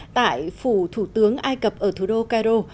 tại phủ thủ tướng ai cập ở thủ đô cairo